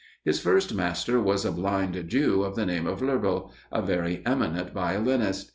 His first master was a blind Jew, of the name of Lœbel, a very eminent violinist.